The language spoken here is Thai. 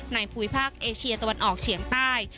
ภูมิภาคเอเชียตะวันออกเฉียงใต้